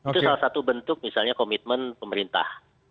itu salah satu bentuk misalnya komitmen pemerintah